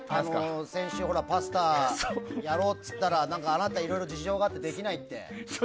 先週、パスタやろうって言ったらあなた、いろいろ事情があってできないって。